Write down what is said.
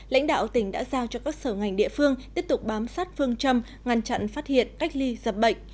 lãnh đạo tỉnh đã giao cho các sở ngành địa phương tiếp tục bám sát phương châm ngăn chặn phát hiện cách ly dập bệnh